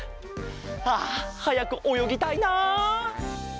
あはやくおよぎたいな！